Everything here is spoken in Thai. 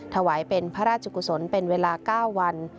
ถวายเป็นพระราชกุศลเป็นเวลา๙วัน